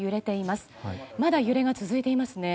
まだ揺れが続いていますね。